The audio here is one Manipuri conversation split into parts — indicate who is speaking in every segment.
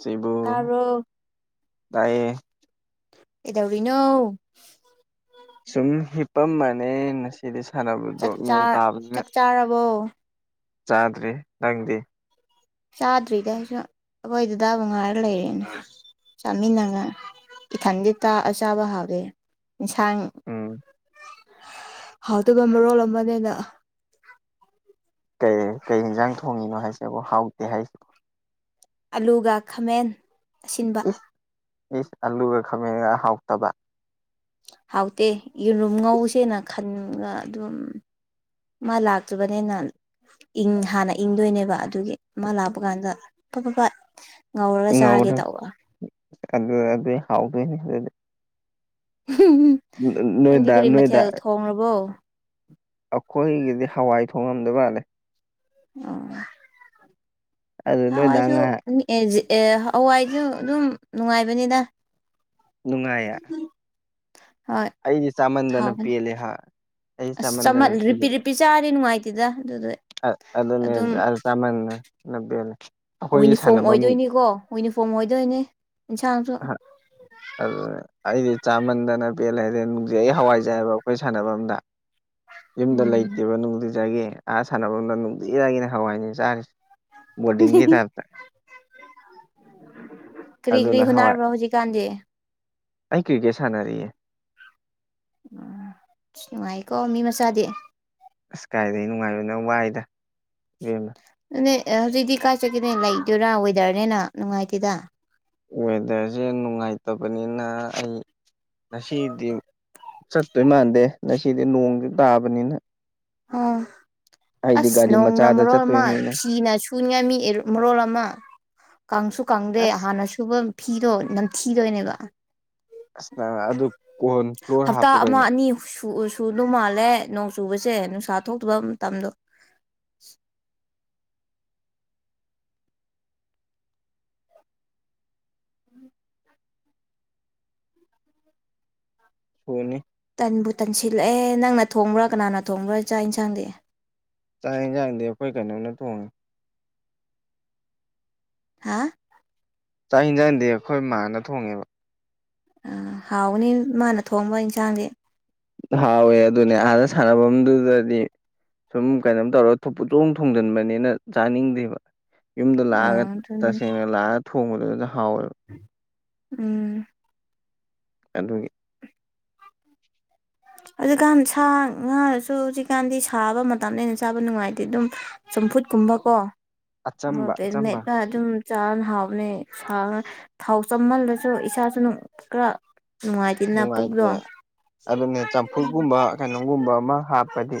Speaker 1: ꯁꯤꯕꯨ
Speaker 2: ꯇꯥꯕ꯭ꯔꯣ
Speaker 1: ꯇꯏ
Speaker 2: ꯀꯗꯧꯔꯤꯅꯧ
Speaker 1: ꯁꯨꯝ ꯍꯤꯞꯄꯝꯃꯅꯦ ꯉꯁꯤꯗꯤ ꯁꯥꯟꯅꯕꯗꯣ
Speaker 2: ꯆꯥꯛ ꯆꯥ
Speaker 1: ꯅꯣꯡ ꯇꯥꯕꯅꯤꯅ
Speaker 2: ꯆꯥꯛ ꯆꯥꯔꯕꯣ
Speaker 1: ꯆꯥꯗ꯭ꯔꯤ ꯅꯪꯗꯤ
Speaker 2: ꯆꯥꯗ꯭ꯔꯤꯗꯁꯨ ꯑꯩꯈꯣꯏꯗꯨꯗꯥꯕꯨ ꯉꯥꯏꯔ ꯂꯩꯔꯦꯅꯦ ꯆꯥꯃꯤꯟꯅꯉ ꯏꯊꯟꯗꯤ ꯇ ꯆꯥꯕ ꯍꯥꯎꯋꯦ ꯏꯟꯁꯥꯡ
Speaker 1: ꯎꯝ
Speaker 2: ꯍꯥꯎꯇꯒ ꯃꯔꯣꯜ ꯑꯃꯅꯦꯗ
Speaker 1: ꯀꯩ ꯀꯩ ꯌꯦꯟꯖꯥꯡ ꯊꯣꯡꯉꯤꯅꯣ ꯍꯥꯏꯁꯦꯕꯣ ꯍꯥꯎꯇꯦ ꯍꯥꯏꯁꯤꯕꯣ
Speaker 2: ꯑꯂꯨꯒ ꯈꯥꯃꯦꯟ ꯑꯁꯤꯟꯕ
Speaker 1: ꯏꯁ ꯏꯁ ꯑꯂꯨꯒ ꯈꯥꯃꯦꯟꯒ ꯍꯥꯎꯇꯕ
Speaker 2: ꯍꯥꯎꯇꯦ ꯌꯦꯔꯨꯝ ꯉꯧꯁꯦꯅ ꯈꯟꯒ ꯑꯗꯨꯝ ꯃꯥ ꯂꯥꯛꯇꯕꯅꯤꯅ ꯍꯥꯟꯅ ꯏꯪꯗꯣꯏꯅꯦꯕ ꯑꯗꯨꯒꯤ ꯑꯃ ꯂꯥꯛꯄ ꯀꯥꯟꯗ [unintelligible] ꯉꯧꯔꯒ ꯆꯥꯒꯦ
Speaker 1: ꯉꯧꯔꯦ
Speaker 2: ꯇꯧꯕ
Speaker 1: ꯑꯗꯨ ꯑꯗꯨꯗꯤ ꯍꯥꯎꯗꯣꯏꯅꯤ ꯑꯗꯨꯗꯤ
Speaker 2: ꯅꯪꯗꯤ
Speaker 1: ꯅꯣꯏꯗ
Speaker 2: ꯀꯔꯤ
Speaker 1: ꯅꯣꯏꯗ
Speaker 2: ꯃꯊꯦꯜ ꯊꯣꯡꯕꯣ
Speaker 1: ꯑꯩꯈꯣꯏꯒꯤꯗꯤ ꯍꯋꯥꯏ ꯊꯣꯡꯉꯝꯗ ꯃꯥꯜꯂꯦ
Speaker 2: ꯑꯣ
Speaker 1: ꯑꯗꯨ ꯅꯣꯏꯗ
Speaker 2: ꯍꯋꯥꯏꯁꯨ
Speaker 1: ꯉꯥꯏꯍꯥꯛ
Speaker 2: ꯍꯋꯥꯏꯁꯨ ꯑꯗꯨꯝ ꯅꯨꯡꯉꯥꯏꯕꯅꯤꯅ
Speaker 1: ꯅꯨꯡꯉꯥꯏꯌꯥ
Speaker 2: ꯍꯣꯏ
Speaker 1: ꯆꯥꯃꯟꯗꯅ
Speaker 2: ꯍꯥꯑꯣꯕꯥꯅꯦ
Speaker 1: ꯄꯦꯜꯂꯦ ꯍꯥ ꯑꯩ ꯆꯥꯃꯟꯗꯅ
Speaker 2: ꯆꯝꯟꯗꯅ ꯆꯆꯥꯔꯦꯅ ꯅꯨꯡꯉꯥꯏꯇꯗ ꯑꯗꯨꯗ
Speaker 1: ꯑ ꯑꯗꯨꯗꯅꯦ
Speaker 2: ꯑꯗꯨꯝ
Speaker 1: ꯑ ꯁꯃꯥꯟ ꯂꯕ ꯂꯩ꯫
Speaker 2: ꯋꯨꯅꯤꯐꯣꯔꯝ ꯑꯣꯏꯗꯣꯏꯅꯤꯀꯣ ꯋꯨꯅꯤꯐꯣꯔꯝ ꯑꯣꯏꯗꯣꯏꯅꯤ ꯏꯟꯁꯥꯡꯁꯨ
Speaker 1: ꯑꯗꯨ ꯑꯩꯗꯤ ꯆꯥꯃꯟꯗꯅ ꯄꯦꯜꯂꯦꯔꯦ ꯅꯨꯡꯗꯤ ꯑꯩ ꯍꯋꯥꯏꯖꯔꯑꯕ ꯑꯩꯈꯣꯏ ꯁꯥꯟꯕꯥꯝꯗ ꯌꯨꯝꯗ
Speaker 2: ꯎꯝ
Speaker 1: ꯂꯩꯇꯦꯕ ꯅꯨꯡꯗꯤ ꯆꯥꯥꯏꯒꯦ ꯑꯥ ꯁꯥꯟꯅꯕꯝꯗ ꯅꯨꯡꯗꯤ ꯖꯥꯒꯤꯏꯒꯤꯅ ꯍꯋꯥꯏꯅꯤ ꯆꯥꯔꯤꯁꯦ꯫ ꯕꯣꯔꯗꯤꯡꯒꯤ ꯇꯥꯏꯄꯇ ꯑꯗꯨꯅ ꯍꯋꯥꯏ
Speaker 2: ꯈꯨꯅꯥꯔꯕ꯭ꯔꯣ ꯍꯧꯖꯤꯛꯀꯥꯟꯗꯤ
Speaker 1: ꯑꯩ ꯀ꯭ꯔꯤꯀꯦꯠ ꯁꯥꯟꯅꯔꯤꯑꯌꯦ꯫
Speaker 2: ꯎꯝ ꯅꯨꯡꯉꯥꯏꯀꯣ ꯃꯤ ꯃꯆꯥꯗꯤ
Speaker 1: ꯑꯁ ꯀꯥꯏꯗꯒꯤ ꯅꯨꯡꯉꯥꯏꯕꯅ ꯋꯥꯏꯗ ꯏꯕꯦꯝꯅ
Speaker 2: ꯑꯗꯨꯅꯦ ꯍꯧꯖꯤꯛꯇꯤ ꯀꯥꯏ ꯆꯠꯀꯦꯅꯦ ꯂꯩꯗꯣꯏꯔꯥ ꯋꯦꯗꯔꯅꯦꯅ ꯅꯨꯡꯉꯥꯏꯇꯦꯗ
Speaker 1: ꯋꯦꯗꯔꯁꯦ ꯅꯨꯡꯉꯥꯏꯇꯕꯅꯤꯅ ꯑꯩ ꯉꯁꯤꯗꯤ ꯆꯠꯇꯣꯏ ꯃꯥꯟꯗꯦ ꯉꯁꯤꯗꯤ ꯅꯣꯡꯁꯨ ꯇꯥꯕꯅꯤꯅ
Speaker 2: ꯍꯣꯏ
Speaker 1: ꯑꯩꯗꯤ
Speaker 2: ꯑꯁ
Speaker 1: ꯒꯥꯔꯤ
Speaker 2: ꯅꯣꯡꯅ
Speaker 1: ꯃꯆꯥꯗ
Speaker 2: ꯃꯔꯣꯜ ꯑꯃ
Speaker 1: ꯆꯠꯇꯣꯏꯅꯤꯅ
Speaker 2: ꯐꯤꯅ ꯁꯨꯅꯤꯡꯉꯥꯏ ꯃꯤ ꯃꯣꯜ ꯑꯃ ꯀꯪꯁꯨ ꯀꯪꯗꯦ
Speaker 1: ꯑꯁ
Speaker 2: ꯍꯥꯟꯅ ꯁꯨꯕ ꯐꯤꯗꯣ ꯅꯝꯊꯤꯗꯣꯏꯅꯦꯕ꯫
Speaker 1: ꯑꯁ ꯑꯗꯨ ꯀꯣꯟꯣꯟ ꯐ꯭ꯂꯣꯔ ꯍꯥꯞꯄꯨ ꯀꯩꯅꯣ
Speaker 2: ꯁꯨꯗ ꯃꯥꯜꯂꯦ ꯅꯣꯡ ꯆꯨꯕꯁꯦ ꯅꯨꯡꯁꯥ ꯊꯣꯛꯇꯕ ꯃꯇꯝꯗꯣ
Speaker 1: ꯍꯅꯤ
Speaker 2: ꯇꯟꯕꯨ ꯇꯟꯁꯤꯜꯂꯛꯑꯦ ꯅꯪꯅ ꯊꯣꯡꯕ꯭ꯔꯥ ꯀꯅꯥꯅ ꯊꯣꯡꯕ꯭ꯔꯥ ꯆꯥꯛ ꯌꯦꯟꯁꯥꯡꯗꯤ꯫
Speaker 1: ꯆꯥꯛ ꯌꯦꯟꯁꯥꯡꯗꯤ ꯑꯩꯈꯣꯏ ꯀꯩꯅꯣꯝꯅ ꯊꯣꯡꯉꯦ꯫
Speaker 2: ꯍꯥꯥ
Speaker 1: ꯆꯥꯛ ꯍꯟꯖꯥꯡꯗꯤ ꯑꯩꯈꯣꯏ ꯃꯥꯅ ꯊꯣꯡꯉꯦꯕ꯫
Speaker 2: ꯑꯥ ꯍꯥꯎꯕꯅꯤ ꯏꯃꯥꯅ ꯊꯣꯡꯕ ꯏꯟꯁꯥꯡꯗꯤ꯫
Speaker 1: ꯍꯥꯎꯋꯦ ꯑꯗꯨꯅꯦ ꯑꯍꯥꯟꯅ ꯁꯥꯟꯅꯐꯝꯗꯨꯗꯗꯤ ꯁꯨꯝ ꯀꯩꯅꯣꯝ ꯇꯧꯔꯒ ꯄꯨꯊꯣꯡ ꯊꯣꯡꯖꯟꯕꯅꯤꯅ ꯆꯥꯅꯤꯡꯗꯦꯕ ꯌꯨꯝꯗ
Speaker 2: ꯑꯥ
Speaker 1: ꯂꯥꯛꯑꯒ
Speaker 2: ꯑꯗꯨꯅꯤ
Speaker 1: ꯇꯁꯦꯡꯅ ꯂꯥꯛꯑꯒ ꯊꯣꯡꯕꯗꯨꯗ ꯍꯥꯎꯋꯦꯕ꯫
Speaker 2: ꯎꯝ
Speaker 1: ꯑꯗꯨꯒꯤ
Speaker 2: ꯍꯧꯖꯤꯛꯀꯥꯟ ꯁꯥ ꯉꯥꯔꯁꯨ ꯍꯧꯖꯤꯛꯀꯥꯟꯗꯤ ꯁꯥꯕ ꯃꯇꯝꯗ ꯑꯩꯅ ꯆꯥꯕ ꯅꯨꯡꯉꯥꯏꯇꯦ ꯑꯗꯨꯝ ꯆꯝꯐꯨꯠ ꯀꯨꯝꯕ ꯀꯣ
Speaker 1: ꯑꯆꯝꯕ ꯑꯆꯝꯕ
Speaker 2: ꯁꯨꯝ ꯆꯥꯔꯅ ꯍꯥꯎꯅꯦꯥꯡ ꯊꯥꯎ ꯆꯝꯃꯜꯂꯁꯨ ꯏꯁꯥꯁꯨ ꯈꯔ ꯅꯣꯡꯉꯥꯏꯇꯦꯅꯦ ꯄꯨꯒꯗꯣ
Speaker 1: ꯐꯨꯠꯀꯨꯝꯕ ꯀꯩꯅꯣꯒꯨꯝꯕ ꯑꯃ ꯍꯥꯞꯄꯗꯤ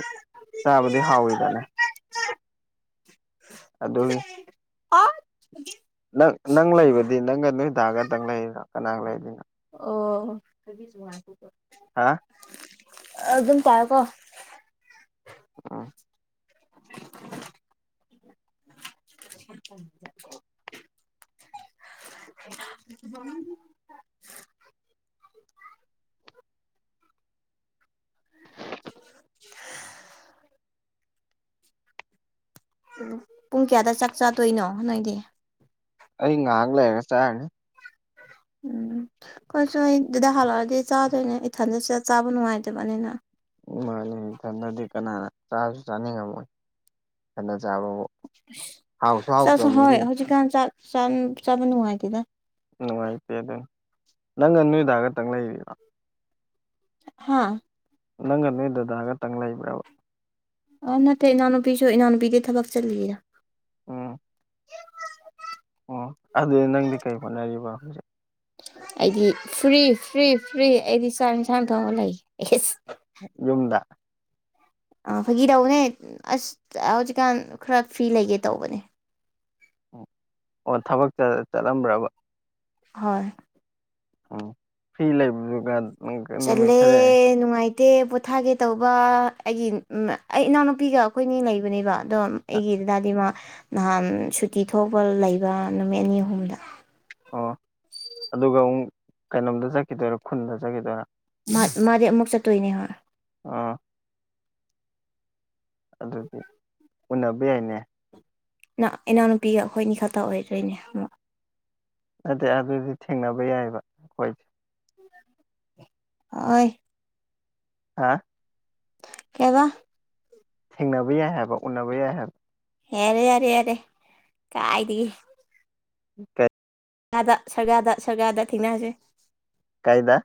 Speaker 1: ꯆꯥꯕꯗꯤ ꯍꯥꯎꯋꯤꯗꯅ ꯑꯗꯨꯒꯤ ꯅꯪ ꯅꯪ ꯂꯩꯕꯗꯤ ꯅꯪꯒ ꯅꯣꯏ ꯇꯥꯛꯒꯇꯪ ꯂꯩꯔꯤꯔ ꯀꯅꯥ ꯂꯩꯗꯣꯏꯅꯣ?
Speaker 2: ꯑꯣ
Speaker 1: ꯍꯥ
Speaker 2: ꯑꯗꯨ ꯑꯗꯨꯝ ꯀꯥꯏ ꯀꯣ
Speaker 1: ꯑꯥ
Speaker 2: [inaudible] [unintelligible] [inaudible] ꯄꯨꯡ ꯀꯌꯥꯗ ꯆꯥꯛ ꯆꯥꯗꯣꯏꯅꯣ ꯅꯣꯏꯗꯤ꯫
Speaker 1: ꯑꯩ ꯉꯥꯏꯍꯥꯛ ꯂꯩꯔꯒꯥ ꯆꯔꯥꯅꯤ
Speaker 2: [inaudible] ꯎꯝ ꯀꯣꯏꯁꯨ ꯑꯩ ꯑꯗꯨꯗ ꯍꯜꯂꯛꯑꯗꯤ ꯆꯥꯗꯣꯏꯅꯦ ꯏꯊꯟꯗꯠꯁꯤꯗ ꯆꯥꯕ ꯅꯨꯡꯉꯥꯏꯇꯕꯅꯤꯅ
Speaker 1: ꯃꯥ ꯏꯊꯟꯗꯗꯤ ꯀꯅꯥꯅ ꯆꯥꯕꯁꯨ ꯆꯥꯅꯤꯡꯉꯝꯃꯣꯏ ꯊꯟꯅ ꯆꯥꯕꯕꯨ ꯍꯥꯎꯁꯨ
Speaker 2: ꯆꯥꯛ
Speaker 1: ꯍꯥꯎꯇꯕꯅꯤ
Speaker 2: ꯍꯣꯏ ꯍꯧꯖꯤꯛꯀꯥꯟꯥꯛ ꯆꯥꯕ ꯅꯨꯡꯉꯥꯏꯇꯦꯗ
Speaker 1: ꯅꯨꯡꯉꯥꯏꯇꯦ ꯑꯗꯨ ꯅꯪꯒ ꯅꯨꯃꯤꯗꯥ ꯈꯛꯇꯪ ꯂꯩꯔꯤꯕ
Speaker 2: ꯍꯥꯥ
Speaker 1: ꯅꯪꯒ ꯅꯣꯏ ꯗꯗꯥ ꯈꯇꯪ ꯂꯩꯕ꯭ꯔꯕ
Speaker 2: ꯑ ꯅꯠꯇꯦ ꯏꯅꯥꯎꯅꯨꯄꯤꯁꯨ ꯏꯅꯥꯎꯅꯨꯄꯤꯒꯤꯩ ꯊꯕꯛ ꯆꯠꯂꯤꯔ
Speaker 1: ꯎꯝ ꯑꯣ ꯑꯗꯨꯗꯤ ꯅꯪꯗꯤ ꯀꯩ ꯍꯣꯠꯅꯔꯤꯕꯣ ꯍꯧꯖꯤꯛ
Speaker 2: ꯑꯩꯗꯤ ꯐ꯭ꯔꯤ ꯐ꯭ꯔꯤ ꯐ꯭ꯔꯤ ꯑꯩꯗꯤ ꯆꯥꯛ ꯏꯟꯁꯥꯡ ꯊꯣꯡꯉ ꯂꯩꯌꯦ ꯏꯁ
Speaker 1: ꯌꯨꯝꯗ
Speaker 2: ꯑꯥ ꯐꯥꯒꯤ ꯇꯧꯅꯦ ꯑꯁ ꯍꯧꯖꯤꯛꯀꯥꯟ ꯈꯔ ꯐ꯭ꯔꯤ ꯂꯩꯒꯦ ꯇꯧꯕꯅꯦ
Speaker 1: ꯑꯣ ꯊꯕꯛꯇ ꯆꯠꯂꯝꯕ꯭ꯔꯕ
Speaker 2: ꯍꯣꯏ꯫
Speaker 1: ꯎꯝ ꯐꯤ ꯂꯩꯕ꯭ꯔꫭ ꯖꯤꯛ ꯀꯥꯟ꯫
Speaker 2: ꯆꯜꯂ‌ꯦꯅꯨꯡꯉꯥꯏ꯫ ꯇꯦ ꯄꯣꯊꯥꯒꯦ ꯇꯧꯕ ꯑꯩꯒꯤ ꯑꯩ ꯏꯅꯥꯎꯅꯨꯄꯤꯒ ꯑꯩꯈꯣꯏꯅꯤ ꯂꯩꯕꯅꯦꯕ꯫ ꯑꯗꯣ ꯑꯩꯒꯤꯗꯥꯗꯥꯗꯤ ꯃꯥ ꯅꯍꯥꯟ ꯁꯨꯇꯤ ꯊꯣꯛꯄ ꯂꯩꯕ ꯅꯨꯃꯤꯠ ꯑꯅꯤ ꯑꯍꯨꯝꯗ꯫
Speaker 1: ꯑꯣ ꯑꯗꯨꯒ ꯑꯃꯨꯛ ꯀꯩꯅꯣꯝꯗ ꯆꯠꯈꯤꯗꯣꯏꯔ ꯈꯨꯟꯗ ꯆꯠꯈꯤꯗꯣꯏꯔ꯫
Speaker 2: ꯃꯥ ꯃꯥꯗꯤ ꯑꯃꯨꯛ ꯆꯠꯇꯣꯏꯅꯦꯕ꯫
Speaker 1: ꯑꯥ꯫ ꯑꯗꯨꯗꯤ ꯎꯟꯅꯕ ꯌꯥꯏꯅꯦ꯫
Speaker 2: ꯅ ꯏꯅꯥꯎꯅꯨꯄꯤꯒ ꯑꯩꯈꯣꯏꯅꯤ ꯈꯛꯇ ꯑꯣꯏꯗꯣꯏꯅꯦ
Speaker 1: ꯑꯗꯨꯗ ꯑꯗꯨꯗꯤ ꯊꯦꯡꯅꯕ ꯌꯥꯏꯑꯕ ꯍꯣꯏ
Speaker 2: ꯍꯣꯏ
Speaker 1: ꯍꯥ
Speaker 2: ꯀꯩꯕ
Speaker 1: ꯊꯦꯡꯅꯕ ꯌꯥꯏ ꯍꯥꯏꯕ ꯎꯟꯅꯕꯕ ꯌꯥꯏ ꯍꯥꯏ
Speaker 2: ꯌꯥꯔꯦ ꯌꯥꯔꯦ ꯌꯥꯔꯦ ꯀꯥꯏꯗꯤꯒ
Speaker 1: ꯀꯩ
Speaker 2: ꯁꯒꯥꯗ ꯁꯔꯒꯥꯗ ꯁꯔꯒꯥꯔꯗ ꯊꯦꯡꯅꯔꯁꯦ
Speaker 1: ꯀꯥꯏꯗ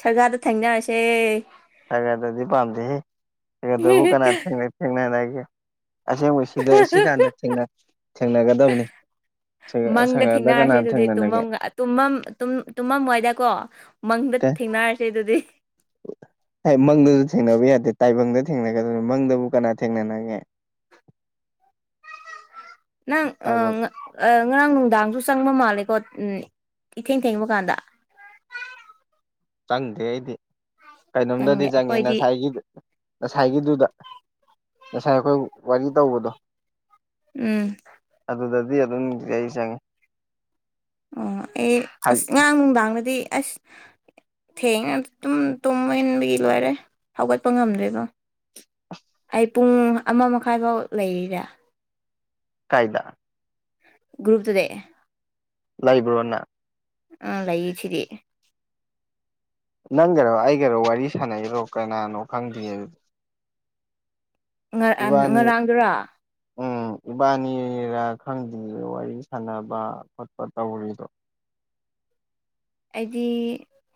Speaker 2: ꯁꯔꯒꯥꯗ ꯊꯦꯡꯅꯔꯁꯦ
Speaker 1: ꯁꯥꯒꯗꯗꯤ ꯄꯥꯝꯗꯦꯍ‌ꯦ ꯁꯒꯗꯕꯨ ꯀꯅꯥ ꯊꯦꯡꯅ ꯊꯦꯡꯅꯔꯒꯦ꯫ ꯑꯁꯦꯡꯕ ꯁꯤꯗ ꯁꯤ ꯀꯥꯟꯗ ꯊꯦꯡꯅꯒꯗꯕꯅꯤ꯫ ꯁꯤ
Speaker 2: ꯃꯪꯗ
Speaker 1: ꯁꯒꯗ
Speaker 2: ꯊꯦꯡꯅꯔꯁꯦ
Speaker 1: ꯀꯅꯥꯟ
Speaker 2: ꯑꯗꯨꯗꯤ
Speaker 1: ꯊꯦꯡꯅꯅꯦꯒ‌ꯦ꯫
Speaker 2: ꯇꯨꯝꯃꯝ ꯇꯨꯝꯃꯝ ꯇꯨꯝꯃꯝꯋꯥꯏꯗꯀꯣ ꯃꯪꯗ ꯊꯦꯡꯅꯔꯁꯦ ꯑꯗꯨꯗꯤ꯫
Speaker 1: ꯍꯥꯏ ꯃꯪꯗꯁꯨ ꯊꯦꯡꯅꯕ ꯌꯥꯗꯦ ꯇꯥꯏꯕꯪꯗ ꯊꯦꯡꯅꯒꯗꯣꯏꯅꯤ ꯃꯪꯗꯕꯨ ꯀꯅꯥ ꯊꯦꯡꯅꯅꯒꯦ꯫
Speaker 2: [inaudible] ꯅꯪ
Speaker 1: ꯇꯥꯏꯕꯪ
Speaker 2: ꯉꯔꯥꯡ ꯅꯨꯡꯗꯥꯡꯁꯨ ꯆꯪꯕ ꯃꯥꯜꯂꯦꯀꯣ ꯏꯊꯦꯡ ꯊꯦꯡꯕ ꯀꯥꯟꯗ꯫
Speaker 1: ꯆꯪꯗꯦ ꯑꯩꯗꯤ ꯀꯩꯅꯣꯝꯗꯗꯤ
Speaker 2: ꯆꯪꯗꯦ
Speaker 1: ꯆꯪꯉꯦ
Speaker 2: ꯑꯩꯈꯣꯏꯗꯤ
Speaker 1: ꯉꯁꯥꯏꯒꯤ꯫ ꯉꯁꯥꯏꯒꯤꯗꯨꯗ ꯉꯁꯥꯏ ꯑꯈꯣꯏ ꯋꯥꯔꯤ ꯇꯧꯕꯗꯣ꯫
Speaker 2: ꯎꯝ꯫
Speaker 1: ꯑꯗꯨꯗꯗꯤ ꯑꯗꯨꯝ ꯑꯩ ꯆꯪꯉꯤ꯫
Speaker 2: ꯑꯣ ꯑꯩ ꯑꯁ ꯉꯔꯥꯡ ꯅꯨꯡꯗꯥꯡꯗꯗꯤ ꯑꯁ꯫ ꯊꯦꯡꯅ ꯑꯗꯨꯝ ꯇꯨꯝꯕ ꯏꯟꯕꯒꯤ ꯂꯣꯏꯔꯦ ꯍꯧꯒꯠꯄ ꯉꯝꯗ꯭ꯔꯦꯕ ꯑꯩ ꯄꯨꯡ ꯑꯃ ꯃꯈꯥꯏ ꯐꯥꯎ ꯂꯩꯔꯤꯔ꯫
Speaker 1: ꯀꯥꯏꯗ꯫
Speaker 2: ꯭ꯒ꯭ꯔꯨꯞꯇꯨꯗꯩ꯫
Speaker 1: ꯂꯩꯕ꯭ꯔꯣꯅ꯫
Speaker 2: ꯑ ꯂꯩꯌ‌ꯦ ꯁꯤꯗꯤ꯫
Speaker 1: ꯅꯪꯒꯔꯣ ꯑꯩꯒꯔꯣ ꯋꯥꯔꯤ ꯁꯥꯟꯅꯩꯔꯣ ꯀꯅꯥꯅꯣ ꯈꯪꯗꯦ ꯑꯗꯨ꯫
Speaker 2: ꯉꯥ ꯑ
Speaker 1: ꯏꯕꯥꯅꯤ
Speaker 2: ꯉꯔꯥꯡꯗꯨꯔꯣ꯫
Speaker 1: ꯎꯝ ꯏꯕꯥꯅꯤꯔꯥ ꯈꯪꯗ꯭ꯔ ꯋꯥꯔꯤ ꯁꯥꯟꯅꯕ ꯈꯣꯠꯄ ꯇꯧꯔꯤꯗꯣ꯫
Speaker 2: ꯑꯩꯗꯤ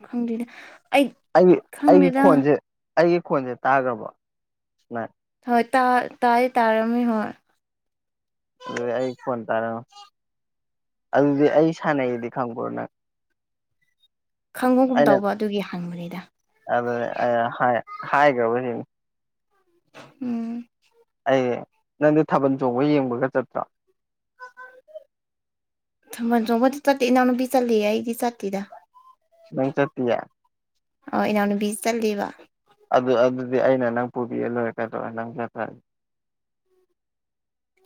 Speaker 2: ꯈꯪꯗ‌ꯦꯗ ꯑꯩ꯫
Speaker 1: ꯑꯩ ꯑꯩꯒꯤ
Speaker 2: ꯈꯪꯗꯦꯗ
Speaker 1: ꯈꯣꯟꯁꯦ ꯑꯩꯒꯤ ꯈꯣꯟꯁꯦ ꯇꯥꯒ꯭ꯔꯥꯕꫭ ꯅ꯫
Speaker 2: ꯍꯣꯏ ꯇꯥꯏ ꯇꯥꯔꯝꯃꯤ ꯍꯣꯏ꯫
Speaker 1: ꯑꯗꯨꯗꯤ ꯑꯩ ꯐꯣꯟ ꯇꯥꯔꯛꯑꫭ꯫ ꯑꯗꯨꯗꯤ ꯑꯩ ꯁꯥꯟꯅꯩꯌ‌ꯦꯗꯤ ꯈꯪꯕ꯭ꯔꫭ ꯅꯪ꯫
Speaker 2: ꯈꯪꯕꯒꯨꯝ
Speaker 1: ꯑꯩꯅ
Speaker 2: ꯇꯧꯕ ꯑꯗꯨꯒꯤ ꯍꯪꯕꯅꯤꯗ꯫
Speaker 1: ꯑꯗꯨ ꯍꯥꯏꯒꯕ꯫
Speaker 2: ꯎꯝ꯫
Speaker 1: ꯑꯩ ꯅꯪꯗꯤ ꯊꯥꯕꯜ ꯆꯣꯡꯕ ꯌꯦꯡꯕꯒ ꯆꯠꯄ꯭ꯔꫭ꯫
Speaker 2: ꯃꯖꯕꯗꯤ ꯏꯅꯥꯅ ꯆꯂꯦ ꯏꯗꯤ ꯖꯥꯇꯗ
Speaker 1: ꯅꯪ ꯆꯠꯇꯤꯌꯥ
Speaker 2: ꯑꯣ ꯏꯅꯥꯎꯅꯨꯄꯤ ꯆꯠꯂꯤꯦꯕ
Speaker 1: ꯑꯗꯨ ꯑꯗꯨꯗꯤ ꯑꯩꯅ ꯅꯪ ꯄꯨꯕꯤꯑ ꯂꯣꯏꯔꯦ ꯀꯩꯗꯧꯔꯦ ꯅꯪ ꯆꯠ꯭ꯔꯒꯦ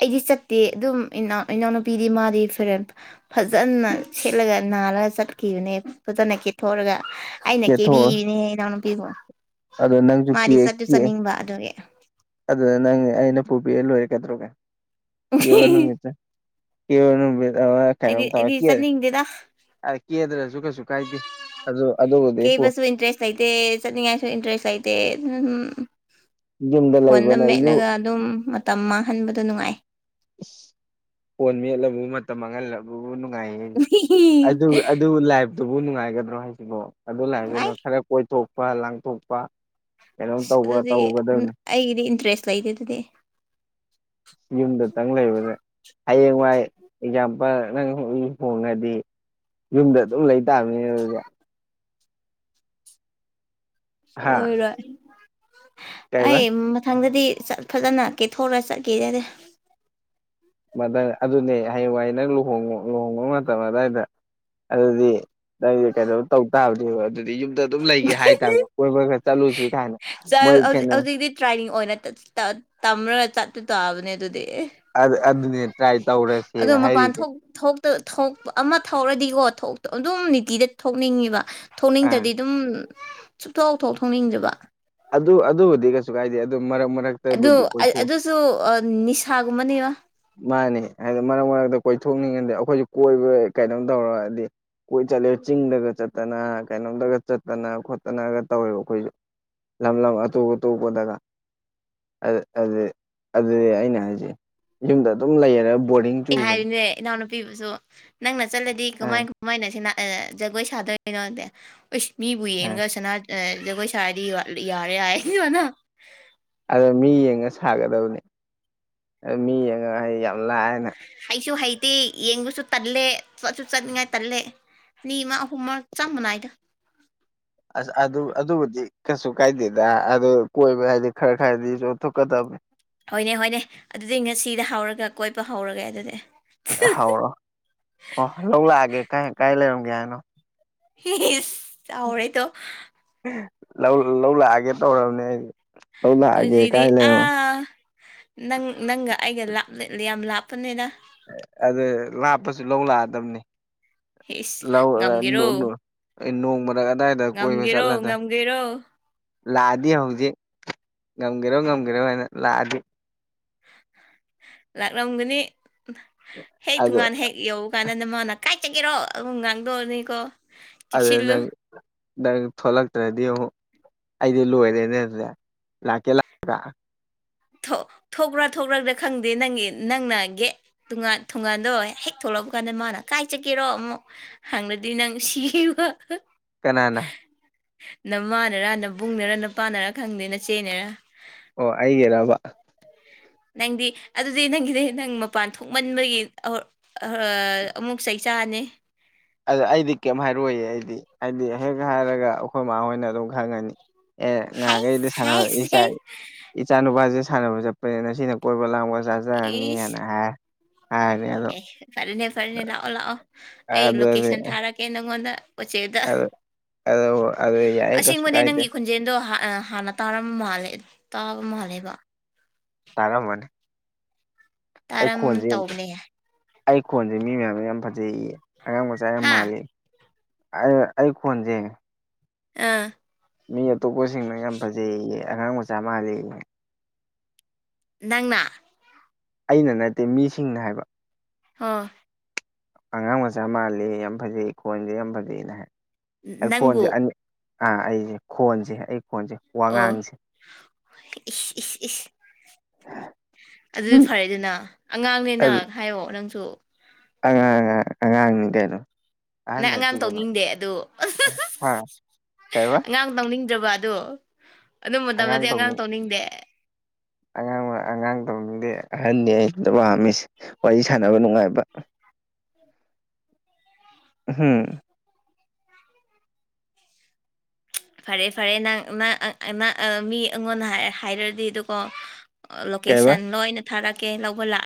Speaker 2: ꯑꯩꯗꯤ ꯆꯠꯇꯦ ꯑꯗꯨꯝꯅꯥꯎ ꯏꯅꯥꯎꯅꯨꯄꯤꯗꯤ ꯃꯥꯗꯤ ꯐꯔꯦꯟ ꯐꯖꯅ ꯁꯦꯠꯂꯒ ꯅꯥꯜꯔꯂꯒ ꯆꯠꯈꯤꯕꯅꯦ ꯐꯖꯅ ꯀꯦꯊꯣꯛꯑꯒ ꯑꯩꯅ
Speaker 1: ꯀꯦꯊꯣꯛꯑꯣ
Speaker 2: ꯀꯦꯕꯤꯅꯦꯍ ꯏꯅꯥꯎꯅꯨꯄꯤꯕꯨ
Speaker 1: ꯑꯗꯣ ꯅꯪꯁꯨ
Speaker 2: ꯃꯥꯗꯤ
Speaker 1: ꯀꯦ
Speaker 2: ꯆꯠꯇꯨ
Speaker 1: ꯀꯦ
Speaker 2: ꯆꯠꯅꯤꯡꯕ ꯑꯗꯨꯒꯤ
Speaker 1: ꯑꯗꯨꯗ ꯅꯪ ꯑꯩꯅ ꯄꯨꯕꯤꯔ ꯂꯣꯏꯔꯛꯀꯗ꯭ꯔꯣꯒ ꯀꯕ ꯅꯨꯃꯤꯠꯇ ꯀ ꯅ
Speaker 2: ꯑꯩꯗꯤ
Speaker 1: ꯈ ꯇ
Speaker 2: ꯑꯩꯗꯤ
Speaker 1: ꯀꯦ
Speaker 2: ꯆꯠꯅꯤꯡꯗꯦꯗ
Speaker 1: ꯀꯦꯗ꯭ꯔꯁꯨ ꯀꯩꯁꯨ ꯀꯥꯏꯗꯦ ꯑꯗꯨ ꯑꯗꯨꯕꯨꯗꯤ꯫
Speaker 2: ꯀꯦꯕꯁꯨ ꯏꯟꯇꯔꯦꯁ ꯂꯩꯇꯦ ꯆꯠꯅꯤꯡꯉꯥꯏꯁꯨ ꯏꯟꯇꯔꯦꯁ ꯂꯩꯇꯦ ꯎꯝ
Speaker 1: ꯌꯨꯝꯗ
Speaker 2: ꯐꯣꯟꯗ
Speaker 1: ꯂꯩꯕꯅ ꯌꯨ
Speaker 2: ꯃꯦꯠꯂꯒ꯫ ꯑꯗꯨꯝ ꯃꯇꯝ ꯃꯥꯡꯍꯟꯕꯗꯣ ꯅꯨꯡꯉꯥꯏ꯫
Speaker 1: ꯐꯣꯟ ꯃꯦꯠꯂꯕ ꯃꯠ꯫ ꯃꯥꯡꯍꯜꯂꯕꯕꯨ ꯅꯨꯡꯉꯥꯏꯌꯦ ꯑꯗꯨ ꯑꯗꯨ ꯂꯥꯏꯐꯇꯨꯕꯨ ꯅꯨꯡꯉꯥꯏꯒꯗ꯭ꯔꯣ ꯍꯥꯏꯁꯤꯕꯣ꯫ ꯑꯗꯨ ꯂꯥꯏꯗꯨꯅ
Speaker 2: ꯅꯨꯡꯉꯥꯏ
Speaker 1: ꯈꯔ ꯀꯣꯏꯊꯣꯛꯄ ꯂꯥꯡꯊꯣꯛꯄ ꯀꯩꯅꯣꯝ
Speaker 2: ꯑꯁ
Speaker 1: ꯇꯧꯕ
Speaker 2: ꯑꯗꯨꯗꯤ
Speaker 1: ꯇꯧꯒꯗꯕꯅꯤ꯫
Speaker 2: ꯑꯩꯒꯤꯗꯤ ꯏꯟꯇꯔꯦꯁ ꯂꯩꯇꯦ ꯑꯗꯨꯗꯤ꯫
Speaker 1: ꯌꯨꯝꯗꯇꯪ ꯂꯩꯕꯅꯦ ꯍꯌꯦꯡꯋꯥꯏ ꯑꯦꯛꯖꯥꯝꯄꯜ ꯅꯪ ꯂꯨꯍꯣꯡꯉꯗꯤ꯫ ꯌꯨꯝꯗ ꯑꯗꯨꯝ ꯂꯩꯇꯥꯥꯝꯅꯤꯅꯦ ꯑꯗꯨꯗꯤ꯫ ꯍꯥ
Speaker 2: ꯁꯣꯏꯔꯣꯏ
Speaker 1: ꯀꯩꯕ
Speaker 2: ꯑꯩ ꯃꯊꯪꯗꯗꯤ ꯆꯠ꯫ ꯐꯖꯅ ꯀꯦꯊꯣꯛꯔ ꯆꯠꯀꯦꯔꯗ‌ꯦ꯫
Speaker 1: ꯃꯊꯪ ꯑꯗꯨꯅꯦ ꯍꯌꯦꯡ ꯋꯥꯏ ꯅꯪ ꯂꯨꯍꯣꯡ ꯂꯨꯍꯣꯡꯕ ꯃꯇꯝ ꯑꯗꯨꯋꯥꯏꯗ ꯑꯗꯨꯗꯤ ꯅꯗꯤ ꯀꯩꯗꯧ ꯇꯧ ꯇꯥꯕꯅꯦꯕ ꯑꯗꯨꯗꯤ ꯌꯨꯝꯗ ꯑꯗꯨꯝ ꯂꯩꯒꯦ ꯍꯥꯏꯇꯥꯔꯦ ꯀꯣꯏꯕ ꯈꯔ ꯆꯠꯂꯨꯁꯤ ꯀꯥꯏꯅ ꯃꯣꯏ ꯀꯩꯅꯣ
Speaker 2: ꯍꯧꯖꯤꯛꯇꯤ ꯇ꯭ꯔꯥꯏꯅꯤꯡ ꯑꯣꯏꯅ ꯇꯝꯔꯒ ꯆꯠꯇꯨ ꯇꯥꯕꯅꯦ ꯑꯗꯨꯗꯤ ꯑꯦ
Speaker 1: ꯑꯗꯨꯅꯦ ꯇ꯭ꯔꯥꯏ ꯇꯧꯔꯁꯦꯅ ꯍꯥꯏꯔꯤꯁꯦ
Speaker 2: ꯊꯣꯛꯇ ꯊꯣꯛ ꯑꯃ ꯊꯧꯔꯗꯤꯀꯣ ꯊꯣꯛꯇ ꯑꯗꯨꯝ ꯅꯨꯡꯇꯤꯗ ꯊꯣꯛꯅꯤꯡꯉꯤꯕ
Speaker 1: ꯑꯥ
Speaker 2: ꯊꯣꯛꯅꯤꯡꯗ꯭ꯔꯗꯤ ꯑꯗꯨꯝ ꯆꯨꯞꯊꯣꯛꯥꯎꯊꯣꯛ ꯊ ꯊꯣꯛꯅꯤꯡꯗꯕ
Speaker 1: ꯑꯗꯨ ꯑꯗꯨꯕꯨꯗꯤ ꯀꯩꯁꯨ ꯀꯥꯏꯗꯦ ꯑꯗꯨ ꯃꯔꯛ ꯃꯔꯛ
Speaker 2: ꯑꯗꯨ ꯑꯗꯨꯁꯨ ꯅꯤꯁꯥꯒꯨꯝꯕꯅꯦꯕ
Speaker 1: ꯃꯥꯅꯤ ꯍꯥꯏꯗꯤ ꯃꯔꯛ ꯃꯔꯛꯇ ꯀꯣꯏꯊꯣꯛꯅꯤꯡꯉꯗꯤꯦ ꯑꯩꯈꯣꯏꯁꯨ ꯀꯣꯏꯕ ꯀꯩꯅꯣꯝ ꯇꯧꯔꯗꯤ ꯀꯣꯏ ꯆꯠꯂꯦ ꯆꯤꯡꯗꯒ ꯆꯠꯇꯅ ꯀꯩꯅꯣꯝꯗꯒ ꯆꯠꯇꯅ ꯈꯣꯠꯇꯅꯒ ꯇꯧꯋꯦꯕ ꯑꯩꯈꯣꯏꯁꯨ ꯂꯝ ꯂꯝ ꯑꯇꯣꯞ ꯑꯇꯣꯞꯄꯗꯒ ꯑꯗꯨꯗꯤ ꯑꯩꯅ ꯍꯥꯏꯖ ꯌꯨꯝꯗ ꯑꯗꯨꯝ ꯂꯩꯔꯔꯦ ꯕꯣꯔꯗꯤꯡ
Speaker 2: ꯑꯩ
Speaker 1: ꯆꯨꯕꯅꯦ
Speaker 2: ꯍꯥꯏꯔꯤꯅꯦ ꯏꯅꯥꯎꯅꯨꯄꯤꯕꯨꯁꯨ ꯅꯪꯅ ꯆꯠꯂꯗꯤ
Speaker 1: ꯑꯥ
Speaker 2: ꯀꯃꯥꯏ ꯀꯃꯥꯏꯅ ꯁꯤꯅ ꯑꯗ ꯖꯒꯣꯏ ꯁꯥꯗꯣꯏꯅꯣ ꯑꯁ ꯃꯤꯕꯨ
Speaker 1: ꯑꯥ
Speaker 2: ꯌꯦꯡꯉꯒ ꯁꯅꯥ ꯑꯗꯣꯏ ꯁꯥꯏꯗ ꯌꯔꯦ ꯌꯥ ꯁꯤ ꯋꯥꯅ
Speaker 1: ꯑꯗꯣ ꯃꯤ ꯌꯦꯡꯉ ꯁꯥꯒꯗꯕꯅꯤ ꯑ ꯃꯤ ꯌꯦꯡꯉꯒ ꯑꯩ ꯌꯥꯝ ꯂꯥꯏꯅ
Speaker 2: ꯍꯩꯁꯨ ꯍꯩꯇꯦ ꯌꯦꯡꯕꯨꯁꯨ ꯇꯜꯂꯦ ꯆꯠꯁꯨ ꯆꯠꯅꯤꯡꯉꯥꯏ ꯇꯜꯂꯦ ꯑꯅꯤ ꯑꯃ ꯑꯍꯨꯝꯃ ꯆꯥ ꯃꯅꯥꯏꯒ
Speaker 1: ꯑꯁ ꯑꯗꯨ ꯑꯗꯨꯕꯨꯗꯤ ꯀꯩꯁꯨ ꯀꯥꯏꯗꯦꯗ ꯑꯗꯨ ꯀꯣꯏꯕ ꯍꯥꯏꯗꯤ ꯈꯔ ꯈꯔꯗꯤ ꯆꯊꯣꯛꯀꯗꯕꯅꯤ
Speaker 2: ꯍꯣꯏꯅꯦ ꯍꯣꯏꯅꯦ ꯑꯗꯨꯗꯤ ꯉꯁꯤꯗ ꯍꯧꯔꯒ ꯀꯣꯏꯄ ꯍꯧꯔꯒꯦ ꯑꯗꯨꯗꯤ
Speaker 1: ꯍꯧꯥꯎꯔꯣꯑꯣ ꯑꯣ ꯂꯧ ꯂꯥꯛꯑꯒꯦ ꯀꯥꯏ ꯀꯥꯏ ꯂꯩꯔꯝꯒꯦ ꯍꯥꯏꯅꯣ
Speaker 2: ꯆꯥꯎꯥꯎꯔ ꯑꯩꯇꯣ
Speaker 1: ꯂꯧ ꯂꯥꯛꯑꯒꯦ ꯇꯧꯔꯕꯅꯦ ꯑꯩꯗꯤ ꯂꯧ ꯂꯥꯛꯑꯒꯦ
Speaker 2: ꯍꯧꯖꯤꯛꯇꯤ
Speaker 1: ꯀꯥꯏ ꯂꯩꯔꯣ
Speaker 2: ꯑꯥ ꯅꯪ ꯅꯪꯒ ꯑꯩꯒ ꯂꯥꯞꯠꯂꯤ ꯌꯥꯝ ꯂꯥꯞꯄꯅꯤꯅ
Speaker 1: ꯑꯗꯨ ꯂꯥꯞꯄꯁꯨ ꯂꯧ ꯂꯥꯛꯑꯗꯕꯅꯤ
Speaker 2: ꯏꯁ
Speaker 1: ꯂꯧꯨ
Speaker 2: ꯉꯝꯒꯦꯔꯣ
Speaker 1: ꯅꯨ [unintelligible] ꯑꯩ ꯅꯣꯡꯃꯗꯛ ꯑꯗꯥꯏꯗ ꯀꯣꯏꯕ
Speaker 2: ꯉꯝꯒꯦꯔꯣ
Speaker 1: ꯆꯠꯂꯗ
Speaker 2: ꯉꯝꯒꯦꯔꯣ
Speaker 1: ꯂꯥꯛꯑꯗꯤ ꯍꯧꯖꯤꯛ ꯉꯝꯒꯦꯔꯣ ꯉꯝꯒꯦꯔꯣ ꯍꯥꯏꯅ ꯂꯥꯛꯑꯗꯤ
Speaker 2: ꯂꯥꯛꯂꯝꯒꯅꯤ ꯍꯦꯛ
Speaker 1: ꯑꯗꯨ
Speaker 2: ꯇꯣꯉꯥꯟ ꯍꯦꯛ ꯌꯧ ꯀꯥꯟꯅꯗ ꯃꯥꯅ ꯀꯥꯏꯆꯒꯦꯔꯣ ꯑꯗꯨꯝ ꯉꯥꯡꯗꯣꯛꯑꯅꯤꯀꯣ
Speaker 1: ꯑꯗ
Speaker 2: ꯆꯦꯛꯁꯤꯜꯂꯨ
Speaker 1: ꯅꯪ ꯗ ꯊꯣꯛꯂꯛꯇ꯭ꯔꯗꯤ ꯑꯃꯨꯛ ꯑꯩꯗꯤ ꯂꯣꯏꯔꯦꯅꯦ ꯂꯥꯛꯀꯦ ꯂꯥꯛ꯭ꯔ
Speaker 2: ꯊꯣꯛꯄ꯭ꯔꯥ ꯊꯣꯛꯈ꯭ꯔꯥꯒ꯭ꯔꯥ ꯈꯪꯗꯦ ꯅꯪꯒꯤ ꯅꯪꯅꯒꯤ ꯇꯣꯥꯟ ꯊꯣꯒꯥꯟꯗꯣ ꯍꯦꯛ ꯊꯣꯛꯂꯛꯄ ꯀꯥꯟꯗ ꯃꯥꯅ ꯀꯥꯏ ꯆꯒꯦꯔꯣ ꯑꯃꯨꯛ ꯍꯪꯅꯗꯤ ꯅꯪ ꯁꯤꯕ
Speaker 1: ꯀꯅꯥꯅ
Speaker 2: ꯅꯃꯥꯟꯅꯔ ꯅꯕꯨꯡꯅꯔ ꯅ ꯄꯥꯟꯅꯔꯥ ꯈꯪꯗꯦ ꯅ ꯆꯦꯅꯔ
Speaker 1: ꯑꯣ ꯑꯩꯒꯤꯔꯕ
Speaker 2: ꯅꯪꯗꯤ ꯑꯗꯨꯗꯤ ꯅꯪꯒꯤꯗꯤ ꯅꯪ ꯃꯄꯥꯟ ꯊꯣꯛꯃꯟꯕꯒꯤ ꯑꯃꯨꯛ ꯆꯩ ꯆꯥꯅꯤ
Speaker 1: ꯑꯗꯨ ꯑꯩꯗꯤ ꯀꯩꯝ ꯍꯥꯏꯔꯣꯏꯏ ꯑꯩꯗꯤ ꯍꯥꯏꯗꯤ ꯍꯦꯛ ꯍꯥꯏꯔꯒ ꯑꯩꯈꯣꯏꯃꯥ ꯍꯣꯏꯅ ꯑꯗꯨꯝ ꯈꯪꯉꯅꯤ ꯑꯦ ꯉꯥꯡꯒ ꯏꯗꯤ
Speaker 2: ꯍꯥꯏꯁ ꯍꯥꯏꯁ ꯍꯥꯏꯁ
Speaker 1: ꯁꯅꯁꯥꯏ ꯏꯆꯥ ꯅꯨꯄꯥꯁꯦ ꯁꯥꯟꯅꯕ ꯆꯠꯄꯅꯦꯅ ꯁꯤꯅ ꯀꯣꯏꯕ ꯂꯥꯡꯕ ꯆꯖꯔꯅꯤ
Speaker 2: ꯏꯁ
Speaker 1: ꯍꯥꯏꯅ ꯍꯥꯏ ꯍꯥꯏꯅꯤ ꯑꯗꯣ
Speaker 2: ꯑꯦ ꯐꯔꯦꯅꯦ ꯐꯔꯅꯦ ꯂꯥꯛꯑꯣ ꯂꯥꯛꯑꯣ ꯑꯩ
Speaker 1: ꯑꯗꯨꯗꯤ
Speaker 2: ꯂꯣꯀꯦꯁꯟ ꯊꯥꯔꯛꯀꯦ ꯅꯪꯉꯣꯟꯗ ꯎꯆꯦꯗ
Speaker 1: ꯑꯗꯨ ꯑꯗꯨ ꯌꯥꯏꯌꯦ ꯀꯩꯁꯨ
Speaker 2: ꯑꯁꯦꯡꯕꯅꯦ
Speaker 1: ꯀꯥꯏꯗꯦ
Speaker 2: ꯅꯪꯒꯤ ꯈꯨ ꯖꯦꯟꯗꯣ ꯍꯥꯟꯅ ꯇꯥꯔꯝꯕ ꯃꯥꯜꯂꯦ ꯇꯥꯕ ꯃꯥꯜꯂꯦꯕ
Speaker 1: ꯇꯥꯔꯃꯅꯦ ꯑꯩ
Speaker 2: ꯇꯥꯔꯝ
Speaker 1: ꯈꯣꯟꯁꯦ
Speaker 2: ꯇꯧꯕꯅꯦ
Speaker 1: ꯑꯩ ꯈꯣꯟꯁꯦ ꯃꯤ ꯃꯌꯥꯝꯅ ꯌꯥꯝ ꯐꯖꯩ ꯏꯌꯦ ꯑꯉꯥꯡ ꯃꯆꯥꯥꯏ ꯌꯥꯝ
Speaker 2: ꯍꯥ
Speaker 1: ꯃꯥꯜꯂꯤ ꯑꯩ ꯈꯣꯟꯁꯦ
Speaker 2: ꯑꯥ
Speaker 1: ꯃꯤ ꯑꯇꯣꯞꯄꯁꯤꯡꯅ ꯌꯥꯝ ꯐꯖꯩꯌꯦꯌꯦ ꯑꯉꯥꯡ ꯃꯆꯥ ꯃꯥꯜꯂꯤ
Speaker 2: ꯅꯪꯅ
Speaker 1: ꯑꯩꯅ ꯅꯠꯇꯦ ꯃꯤꯁꯤꯡꯅ ꯍꯥꯏꯕ
Speaker 2: ꯍꯥꯥ
Speaker 1: ꯑꯉꯥꯡ ꯃꯆꯥ ꯃꯥꯜꯂꯤ ꯌꯥꯝ ꯐꯖꯩ ꯈꯣꯟꯁꯦ ꯌꯥꯝ ꯐꯖꯩꯑꯅ ꯍꯥꯏ ꯑꯩ ꯈꯣꯟꯁꯦ
Speaker 2: ꯅꯪꯕꯨ
Speaker 1: ꯑꯅꯤ ꯑꯥ ꯑꯩꯁꯦ ꯈꯣꯟꯁꯦ ꯑꯩ ꯈꯣꯟꯁꯦ
Speaker 2: ꯑꯣ
Speaker 1: ꯋꯥꯉꯥꯡꯁꯦ
Speaker 2: ꯏ ꯏ ꯏꯁ ꯑꯗꯨꯗꯤ ꯐꯔꯦ ꯑꯗꯨꯅ ꯑꯉꯥꯡꯅꯦꯅ ꯍꯥꯏꯌꯑꯣ ꯅꯪꯁꯨ
Speaker 1: ꯑꯉꯥꯡ ꯑꯉꯥꯡ ꯑꯉꯥꯡꯅꯤ ꯀꯩꯅꯣ ꯑꯍꯟ
Speaker 2: ꯅꯪ
Speaker 1: ꯅꯠꯇꯦ
Speaker 2: ꯑꯉꯥꯡ
Speaker 1: ꯀꯩꯅꯣ
Speaker 2: ꯇꯣꯡꯅꯤꯡꯗꯦ ꯑꯗꯨ
Speaker 1: ꯍꯥ ꯀꯩꯕ
Speaker 2: ꯑꯉꯥꯡ ꯇꯧꯅꯤꯡꯗ꯭ꯔꯕ ꯑꯗꯣ ꯑꯗꯨ ꯃꯇꯝꯗꯗꯤ ꯑꯉꯥꯡ ꯇꯧꯅꯤꯡꯗꯦ
Speaker 1: ꯑꯉꯥꯡ ꯑꯉꯥꯡ ꯇ ꯃꯤꯗꯤ ꯑꯍꯟꯗꯤ ꯑꯩ ꯄꯥꯝꯃꯤꯁ ꯋꯥꯔꯤ ꯁꯥꯟꯅꯕ ꯅꯨꯡꯉꯥꯏꯕ ꯍꯝ
Speaker 2: ꯐꯔꯦ ꯐꯔꯦ ꯅꯪ ꯃꯤ ꯑꯩꯉꯣꯟꯗ ꯍꯥꯏꯔꯨꯔꯗꯤ ꯑꯗꯨꯀꯣ
Speaker 1: ꯀꯩꯕ
Speaker 2: ꯂꯣꯀꯦꯁꯟ ꯂꯣꯏꯅ ꯊꯥꯔꯛꯀꯦ ꯂꯧꯕ ꯂꯥꯛ